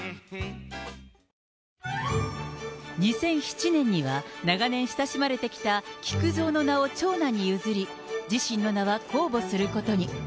２００７年には、長年親しまれてきた木久蔵の名を長男に譲り、自身の名は公募することに。